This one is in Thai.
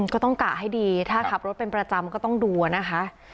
ก็ต้องกะให้ดีถ้าขับรถเป็นประจำก็ต้องดูนะคะ